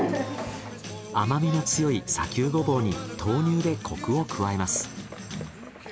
甘みが強い砂丘ゴボウに豆乳でコクを加えます。